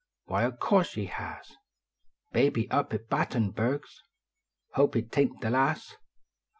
YVhv <> course ye has ; Baby up at Battenberg s, Hope it tain t the las !